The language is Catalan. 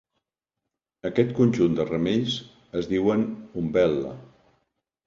Aquest conjunt de ramells es diuen umbel·la.